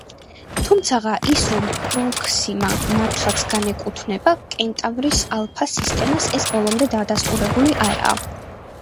თუმცაღა ის, რომ პროქსიმა მართლაც განეკუთვნება კენტავრის ალფა სისტემას, ეს ბოლომდე დადასტურებული არაა.